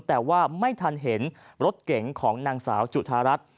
แต่ว่าไม่ทันเห็นรถเก๋งของนางสาวจุธารัฐ